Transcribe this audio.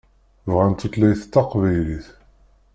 Bɣant tutlayt taqbaylit.